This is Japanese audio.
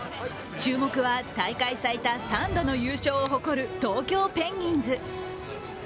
注目は大会最多３度の優勝を誇る東京ペンギンズ。